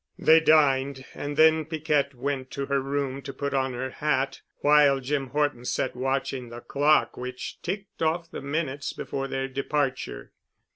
They dined and then Piquette went to her room to put on her hat, while Jim Horton sat watching the clock which ticked off the minutes before their departure.